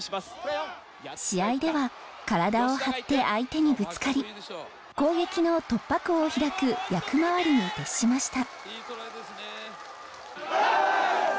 試合では体を張って相手にぶつかり攻撃の突破口を開く役回りに徹しました。